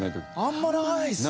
あんまないっすね。